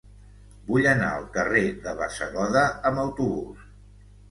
Vull anar al carrer de Bassegoda amb autobús.